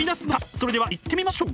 それではいってみましょう。